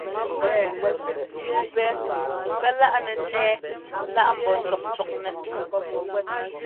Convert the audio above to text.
Yúu pɛ pɛ́ láꞌnɛ ńnɛ́ɛ lá ḿbɔ́ ńcɔ́kcɔknɛ́.